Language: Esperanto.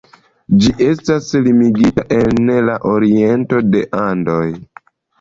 Ĝi estas limigita en la oriento de Andoj.